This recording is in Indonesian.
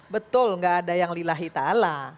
betul gak ada yang lila ita allah